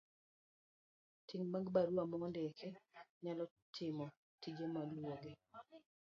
Ting ' mag barua maondik nyalo timo tije maluwogi.